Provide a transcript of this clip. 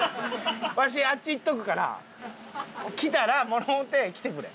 わしあっち行っとくから。来たらもろうて来てくれ。